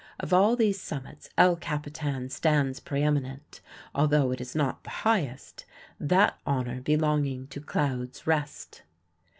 Of all these summits El Capitan stands preëminent, although it is not the highest; that honor belonging to Cloud's Rest.